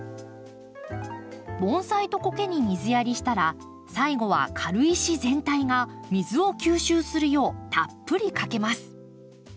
盆栽とコケに水やりしたら最後は軽石全体が水を吸収するようたっぷりかけます。